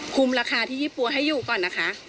ราคาที่ยี่ปั๊วให้อยู่ก่อนนะคะ